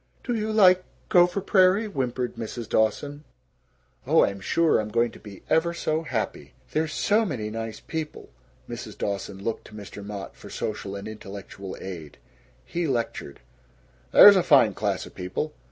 "Do you like Gopher Prairie?" whimpered Mrs. Dawson. "Oh, I'm sure I'm going to be ever so happy." "There's so many nice people." Mrs. Dawson looked to Mr. Mott for social and intellectual aid. He lectured: "There's a fine class of people.